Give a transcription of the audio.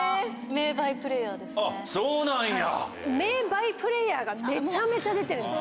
名バイプレイヤーがめちゃめちゃ出てるんですよ。